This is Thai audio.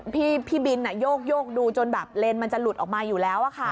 พี่บินโยกดูจนแบบเลนมันจะหลุดออกมาอยู่แล้วค่ะ